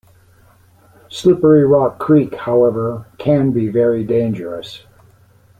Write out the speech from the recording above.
Slippery Rock Creek, however, can be very dangerous.